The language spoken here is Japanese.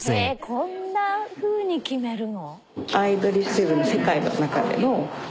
こんなふうに決めるの？